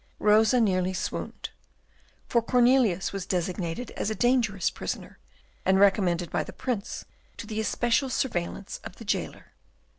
Rosa nearly swooned, for Cornelius was designated as a dangerous prisoner, and recommended by the Prince to the especial surveillance of the jailer.